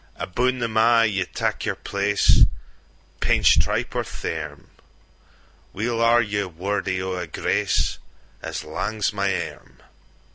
Aboon them a' ye tak your place, Painch, tripe, or thairm:Weel are ye wordy o'a graceAs lang's my arm.